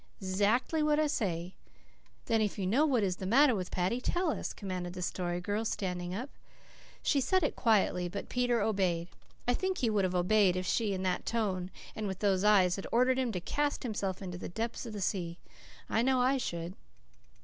"'Zackly what I say." "Then, if you know what is the matter with Paddy, tell us," commanded the Story Girl, standing up. She said it quietly; but Peter obeyed. I think he would have obeyed if she, in that tone and with those eyes, had ordered him to cast himself into the depths of the sea. I know I should.